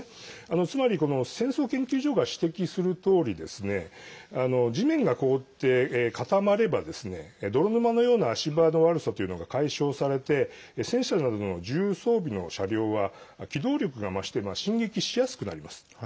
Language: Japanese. つまり、戦争研究所が指摘するとおり地面が凍って固まれば泥沼のような足場の悪さというのが解消されて戦車などの重装備の車両は機動力が増して進撃しやすくなります。